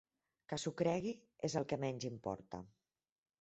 Que s'ho cregui és el que menys importa.